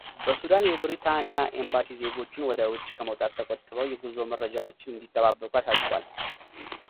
በሱዳን የብሪታኒያ ኤምባሲ ዜጎቹን ወደ ውጭ ከመውጣት ተቆጥበው የጉዞ መረጃዎችን እንዲጠባብቁ አሳስቧል።